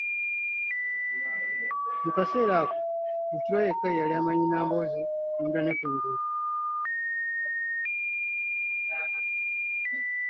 Mu kaseera ako Bukirwa yekka ye yali amanyi Nambooze munda ne kungulu.